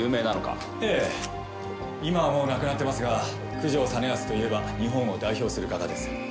今はもう亡くなってますが九条実篤といえば日本を代表する画家です。